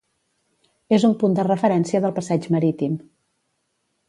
És un punt de referència del passeig marítim.